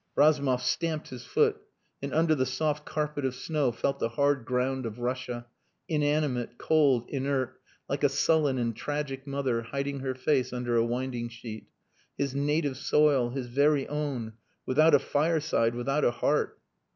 Razumov stamped his foot and under the soft carpet of snow felt the hard ground of Russia, inanimate, cold, inert, like a sullen and tragic mother hiding her face under a winding sheet his native soil! his very own without a fireside, without a heart!